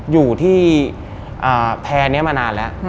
อยู่ที่แพร่นี้มานานแล้ว